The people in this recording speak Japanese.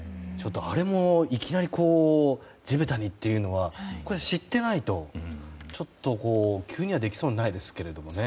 あれも、いきなり地べたにっていうのは知っていないと、ちょっと急にはできそうにないですよね。